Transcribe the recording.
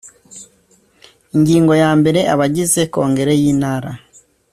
ingingo ya mbere abagize kongere y intara